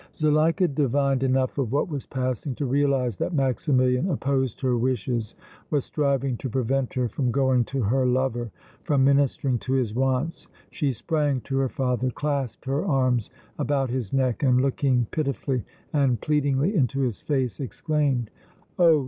Zuleika divined enough of what was passing to realize that Maximilian opposed her wishes, was striving to prevent her from going to her lover, from ministering to his wants. She sprang to her father, clasped her arms about his neck, and, looking pitifully and pleadingly into his face, exclaimed: "Oh!